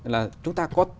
là chúng ta có